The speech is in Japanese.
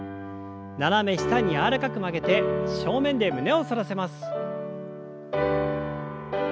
斜め下に柔らかく曲げて正面で胸を反らせます。